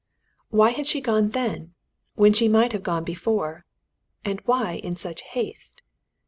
Why had she gone then? when she might have gone before. And why in such haste?